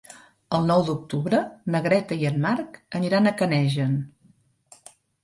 El nou d'octubre na Greta i en Marc aniran a Canejan.